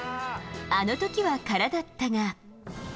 あのときは空だったが。